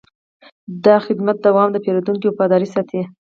د خدمت دوام د پیرودونکو وفاداري ساتي.